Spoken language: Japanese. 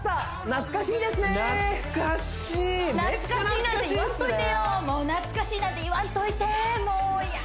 懐かしい懐かしいなんて言わんといてよ